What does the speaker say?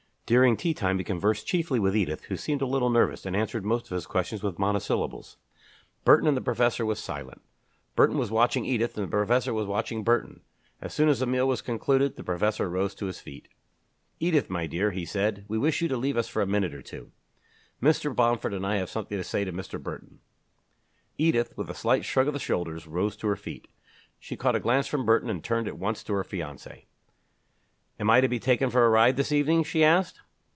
During tea time he conversed chiefly with Edith, who seemed a little nervous, and answered most of his questions with monosyllables. Burton and the professor were silent. Burton was watching Edith and the professor was watching Burton. As soon as the meal was concluded, the professor rose to his feet. "Edith, my dear," he said, "we wish you to leave us for a minute or two. Mr. Bomford and I have something to say to Mr. Burton." Edith, with a slight shrug of the shoulders, rose to her feet. She caught a glance from Burton and turned at once to her fiancé. "Am I to be taken for a ride this evening?" she asked.